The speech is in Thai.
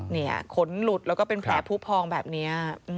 ขนหลุดแล้วก็เป็นแผลผู้พองแบบนี้